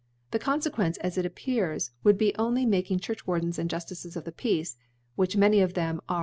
Ttfe Confeqtence, as it appears, would be only making Churchwardens of the Juftices of Peace, which tnany of them are